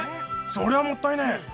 ⁉そりゃもったいねえ！